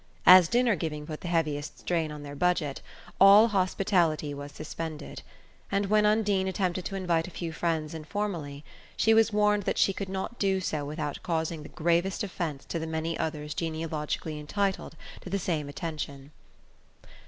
As dinner giving put the heaviest strain on their budget, all hospitality was suspended; and when Undine attempted to invite a few friends informally she was warned that she could not do so without causing the gravest offense to the many others genealogically entitled to the same attention.